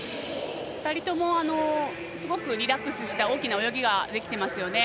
２人ともすごくリラックスした大きな泳ぎができていますね。